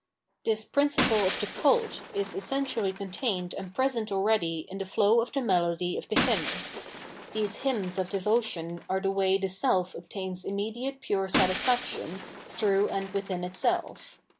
This principle of the Cult is essentially con'tained and present already in the flow of the melody of the Hymn. These hjrmns of devotion are the way the, self obtains immediate pure satisfaction through and within itself.